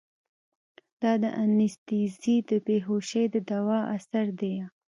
دا د انستيزي د بېهوشي د دوا اثر ديه.